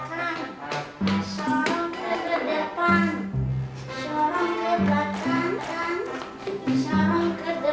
serang ke depan